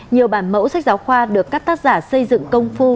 nhiều bản mẫu sách giáo khoa được các tác giả xây dựng công phu